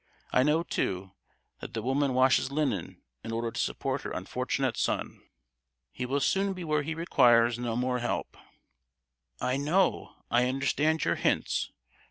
I know, too, that the woman washes linen in order to support her unfortunate son!" "He will soon be where he requires no more help!" "I know, I understand your hints."